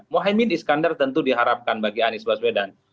mohaimin iskandar tentu diharapkan bagi anies baswedan